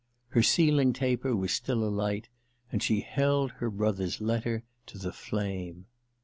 Her sealing taper was still alight, and she held her brother's letter to the flame.